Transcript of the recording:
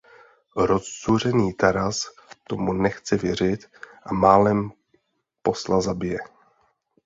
Rozzuřený Taras tomu nechce věřit a málem posla zabije.